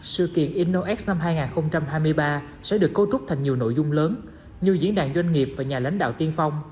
sự kiện innox năm hai nghìn hai mươi ba sẽ được cấu trúc thành nhiều nội dung lớn như diễn đàn doanh nghiệp và nhà lãnh đạo tiên phong